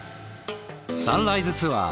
サンライズツアー